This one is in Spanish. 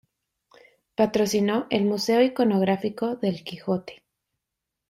Patrocinó el Museo Iconográfico del Quijote.